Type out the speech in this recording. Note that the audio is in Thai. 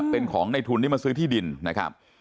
เป็นของในทุนที่มาซื้อที่ดินนะครับ